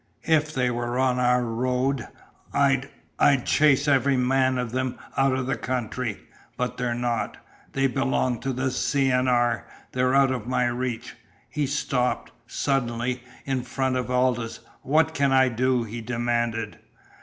"If they were on our road I'd I'd chase every man of them out of the country. But they're not. They belong to the C.N.R. They're out of my reach." He stopped, suddenly, in front of Aldous. "What can I do?" he demanded.